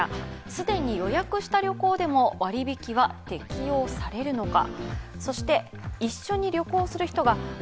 既に予約した旅行でも割引は適用されるのか。